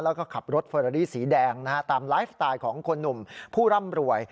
แล้วก็ขับรถเฟอรารี่สีแดงนะฮะตามไลฟ์สไตล์ของคนหนุ่มผู้ร่ำรวย